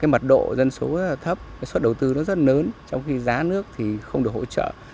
mật độ dân số thấp suất đầu tư rất lớn trong khi giá nước không được hỗ trợ